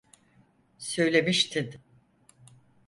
Söylemiştin.